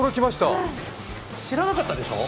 知らなかったでしょう？